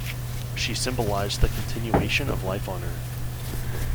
She symbolized the continuation of life on Earth.